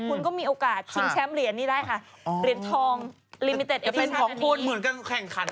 คุณก็มีโอกาสชิงแชมป์เหรียญนี้ได้ค่ะ